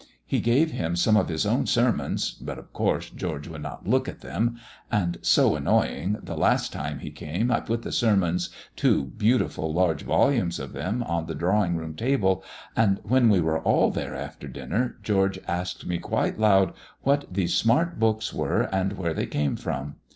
He gave him some of his own sermons, but of course George would not look at them; and so annoying the last time he came I put the sermons, two beautiful large volumes of them, on the drawing room table, and when we were all there after dinner George asked me quite loud what these smart books were, and where they came from.